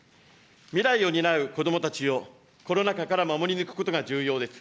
未来を担う子どもたちをコロナ禍から守り抜くことが重要です。